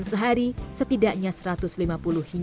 saya pesen e book begini tohono